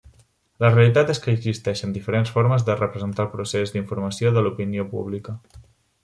La realitat és que existeixen diferents formes de representar el procés d'informació de l'opinió pública.